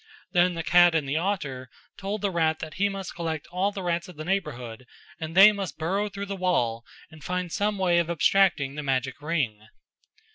Then the cat and the otter told the rat that he must collect all the rats of the neighbourhood and they must burrow through the wall and find some way of abstracting the magic ring.